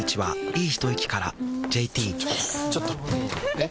えっ⁉